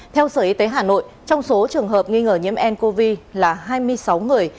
theo sở y tế hà nội trong số trường hợp nghi ngờ nhiễm ncov là hai mươi sáu người